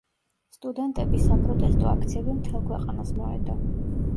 სტუდენტების საპროტესტო აქციები მთელ ქვეყანას მოედო.